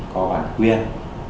có bản quyền